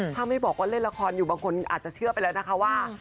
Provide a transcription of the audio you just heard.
ถ้าไม่บอกว่าเล่นละครอยู่บางคนอาจจะเชื่อไปแล้วนะคะว่า